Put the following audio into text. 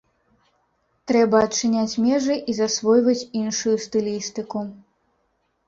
Трэба адчыняць межы і засвойваць іншую стылістыку.